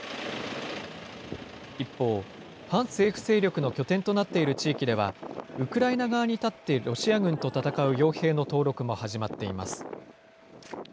一方、反政府勢力の拠点となっている地域では、ウクライナ側に立ってロシア軍と戦うよう兵の登録も始まっています。